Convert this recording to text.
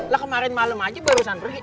lah kemarin malam aja barusan pergi